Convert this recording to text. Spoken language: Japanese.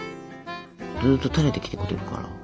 ずっとたれてきてくれるから。